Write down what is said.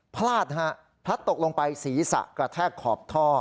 พลาดนะครับพลัดตกลงไปศรีศะกระแทกขอบท่อ